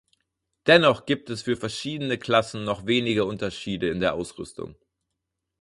Dennoch gibt es für verschiedene Klassen noch wenige Unterschiede in der Ausrüstung.